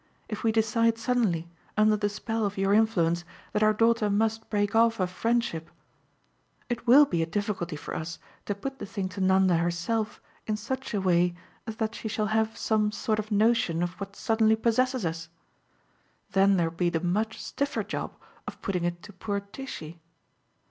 if we decide suddenly, under the spell of your influence, that our daughter must break off a friendship it WILL be a difficulty for us to put the thing to Nanda herself in such a way as that she shall have some sort of notion of what suddenly possesses us. Then there'll be the much stiffer job of putting it to poor Tishy.